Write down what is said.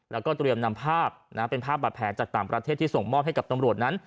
แล้วก็เตรียมนำภาพเป็นภาพบาดแผลจากต่างประเทศที่ส่งมอบให้กับตำรวจนั้น